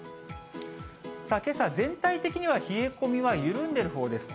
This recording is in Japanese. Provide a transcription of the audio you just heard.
けさ、全体的には冷え込みは緩んでるほうです。